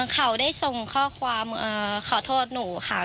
เขาได้ส่งข้อความขอโทษหนูค่ะ